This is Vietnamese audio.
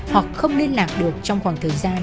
hoặc không liên lạc được trong khoảng thời gian